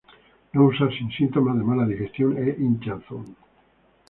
No usar sin síntomas de mala digestión e hinchazón.